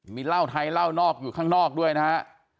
มีเหล้าไทยเหล้านอกอยู่ข้างนอกด้วยนะฮะ